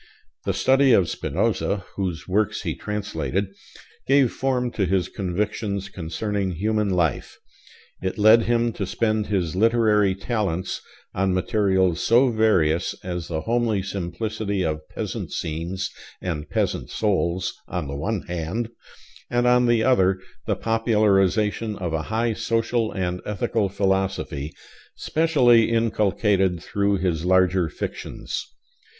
The study of Spinoza (whose works he translated) gave form to his convictions concerning human life. It led him to spend his literary talents on materials so various as the homely simplicity of peasant scenes and peasant souls, on the one hand, and on the other the popularization of a high social and ethical philosophy, specially inculcated through his larger fictions.